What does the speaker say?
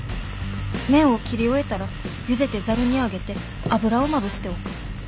麺を切り終えたらゆでてざるにあげて油をまぶしておく。